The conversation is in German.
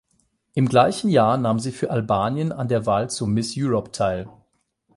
Im gleichen Jahr nahm sie für Albanien an der Wahl zur Miss Europe teil.